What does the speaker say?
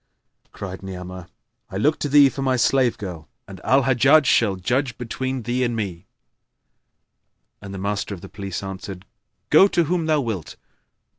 Cried Ni'amah, "I look to thee for my slave girl, and Al Hajjaj shall judge between thee and me;" and the Master of Police answered, "Go to whom thou wilt."